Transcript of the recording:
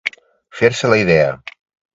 Fer-se a la idea.